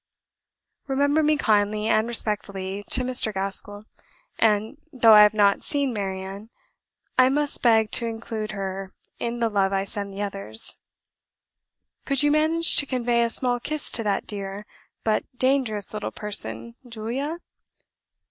"Remember me kindly and respectfully to Mr. Gaskell, and though I have not seen Marianne, I must beg to include her in the love I send the others. Could you manage to convey a small kiss to that dear, but dangerous little person, Julia?